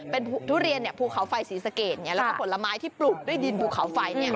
เป็นทุเรียนภูเขาไฟศรีสะเกดแล้วก็ผลไม้ที่ปลูกด้วยดินภูเขาไฟ